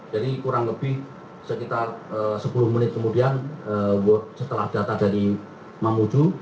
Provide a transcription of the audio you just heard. jadi kurang lebih sekitar sepuluh menit kemudian setelah data dari mamuju